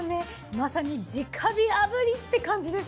まさに直火炙りって感じです。